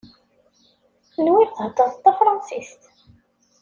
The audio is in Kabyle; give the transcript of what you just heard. Nwiɣ theddreḍ tafransist.